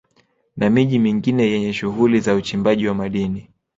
Na miji mingine yenye shughuli za uchimbaji wa madini